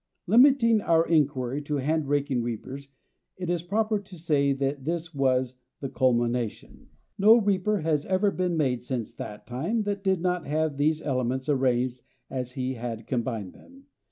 Limiting our inquiry to hand raking reapers it is proper to say that this was the culmination. No reaper has ever been made since that time that did not have these elements arranged as he had combined them.